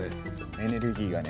エネルギーがね